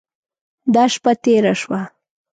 دا شپه تېره شوه.